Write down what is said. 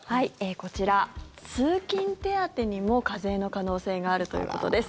こちら、通勤手当にも課税の可能性があるということです。